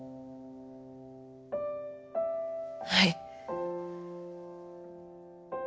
はい。